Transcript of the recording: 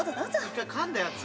１回かんだやつ？